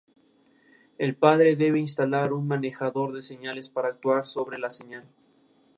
Las señales de diferencia de color o crominancia llevan la información del color.